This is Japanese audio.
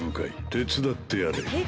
手伝ってやれ。